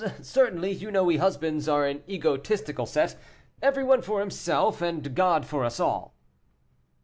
"Certainly; you know we husbands are an egotistical set. Everyone for himself, and God for us all."